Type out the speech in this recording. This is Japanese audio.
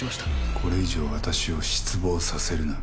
これ以上、私を失望させるな。